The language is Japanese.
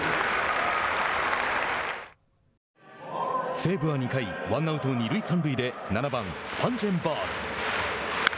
西武は２回ワンアウト、二塁三塁で７番スパンジェンバーグ。